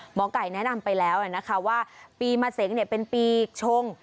หมอไก่แนะนำไปแล้วนะคะว่าปีมะเสงเป็นปีชง